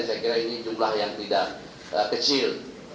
saya kira ini jumlah yang tidak kecil